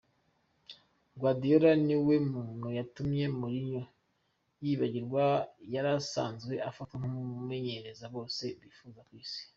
Guardiola niwe muntu yatumye Mourinho yibagigwa, yarasanzwe afatwa nk'umumenyereza bose bipfuza kw'isi.